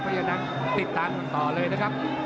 เพราะฉะนั้นติดตามกันต่อเลยนะครับ